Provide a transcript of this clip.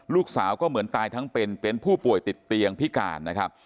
ลูกสาวก็เหมือนตายทั้งเป็นเป็นผู้ป่วยติดเตียงพิการนะครับ